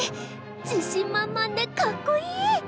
自信満々でかっこいい！